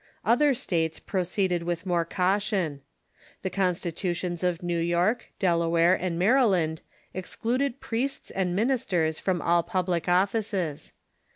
Other states proceeded with more caution. The constitutions of New York, Delaware, and Maryland excluded priests and ministers fi'om all public offices.